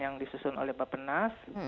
yang disusun oleh bapak nas